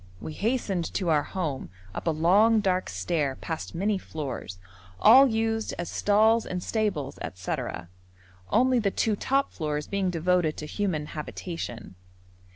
We hastened to our home, up a long dark stair, past many floors, all used as stalls and stables, &c., only the two top floors being devoted to human habitation.